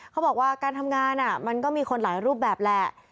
เขาบอกว่าการทำงานมันก็มีคนหลายรูปแบบแหละ